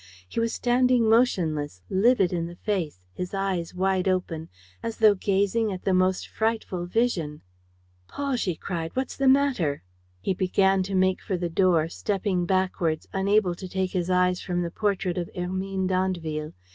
He was standing motionless, livid in the face, his eyes wide open, as though gazing at the most frightful vision. "Paul," she cried, "what's the matter?" He began to make for the door, stepping backwards, unable to take his eyes from the portrait of Hermine d'Andeville.